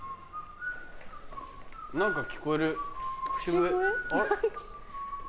何か聞こえる口笛。